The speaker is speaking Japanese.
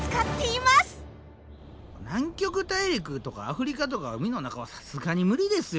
南極大陸とかアフリカとか海の中はさすがに無理ですよ